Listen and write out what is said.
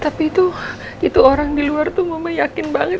tapi itu orang di luar tuh mama yakin banget